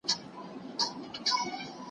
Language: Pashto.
پخوا د فکري تنوع مخالفت کېده.